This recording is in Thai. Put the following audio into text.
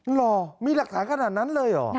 เหรอมีหลักฐานขนาดนั้นเลยเหรอ